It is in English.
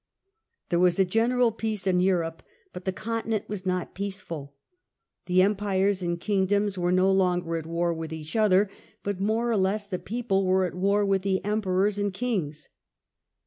There was a general peace in Europe, but the Con tinent was not peaceful. The empires and kingdoms were no longer at war with each other, but, more or less, the people were at war with the emperors and kings.